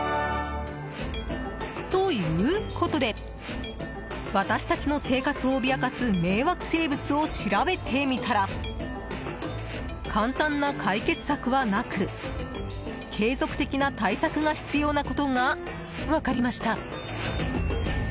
ということで私たちの生活を脅かす迷惑生物を調べてみたら簡単な解決策はなく継続的な対策が必要なことが分かりました。